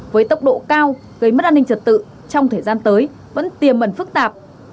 với tốc độ cao gây mất an ninh trật tự trong thời gian tới vẫn tiềm mẩn phức tạp